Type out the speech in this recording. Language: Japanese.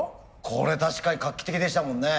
これ確かに画期的でしたもんね。